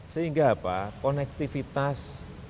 sehingga apa konektivitas